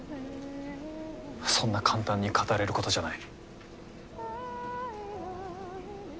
そんな簡単に語れることじゃない。